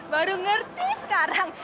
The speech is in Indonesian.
baru ngerti sekarang